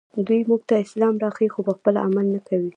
دوی موږ ته اسلام راښيي خو پخپله عمل نه کوي